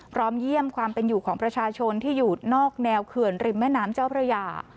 พร้อมเยี่ยมความเป็นอยู่ของประชาชนที่อยู่นอกแนวเขื่อนริมแม่น้ำเจ้าพระยา